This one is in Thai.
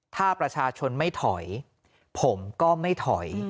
ถ้าประชาชนไม่ถอยผมก็ไม่ถอย